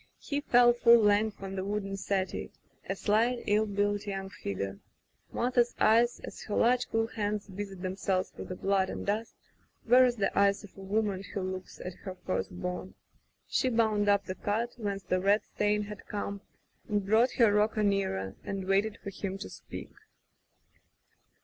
He fell full length on the wooden settee — a slight, ill built young figure. Martha's eyes as her large cool hands busied themselves with the blood and dust, were as the eyes of a woman who looks at her first born. She bound up the cut whence the red stain had come, then brought her rocker nearer and waited for him to speak.